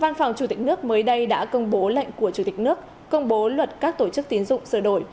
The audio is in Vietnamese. văn phòng chủ tịch nước mới đây đã công bố lệnh của chủ tịch nước công bố luật các tổ chức tiến dụng sửa đổi